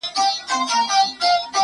o د خپل کور پير چاته نه معلومېږي!